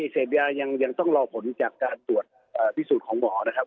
เสพยายังต้องรอผลจากการตรวจพิสูจน์ของหมอนะครับ